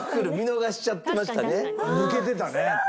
抜けてたね。